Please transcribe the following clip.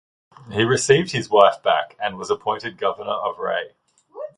He received his wife back, and was appointed governor of Ray.